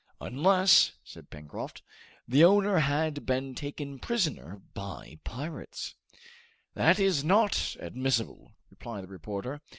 "Unless," said Pencroft, "the owner had been taken prisoner by pirates " "That is not admissible," replied the reporter.